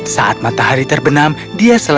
saat matahari terbenam dia selesai